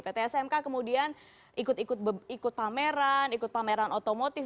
pt smk kemudian ikut ikut pameran ikut pameran otomotif